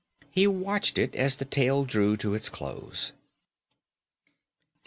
He watched it as the tale drew to its close.